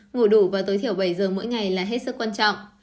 ngủ đủ và tối thiểu bảy giờ mỗi ngày là hết sức quan trọng